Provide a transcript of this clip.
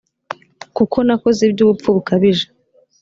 kuko nakoze iby ubupfu bukabije